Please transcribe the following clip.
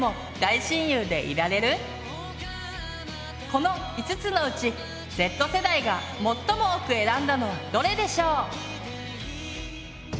この５つのうちＺ世代が最も多く選んだのはどれでしょう？